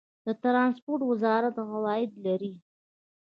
د ټرانسپورټ وزارت عواید لري؟